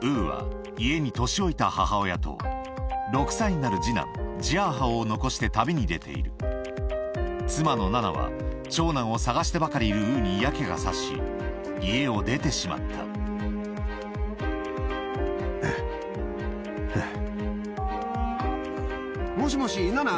ウーは家に年老いた母親と６歳になる二男ジャーハオを残して旅に出ている妻のナナは長男を捜してばかりいるウーに嫌気が差し家を出てしまったあ。